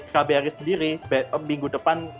kbr sendiri minggu depan